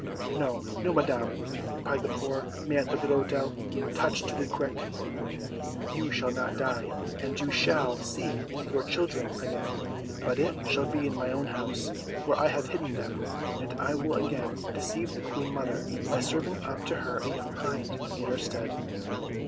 "No, no, Madam!" replied the poor Maître d'Hôtel, touched to the quick, "you shall not die, and you shall see your children again, but it shall be in my own house, where I have hidden them; and I will again deceive the Queen mother by serving up to her a young hind in your stead."